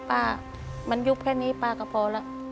ป้ามันยุบแค่นี้ป้าก็พอแล้ว